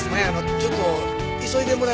ちょっと急いでもらえまっか。